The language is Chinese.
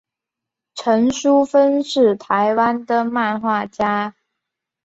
陈淑芬是台湾的漫画家。